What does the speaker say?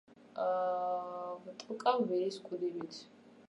ვტოკავ ვირის კუდივით